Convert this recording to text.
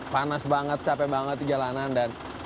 panas banget capek banget di jalanan dan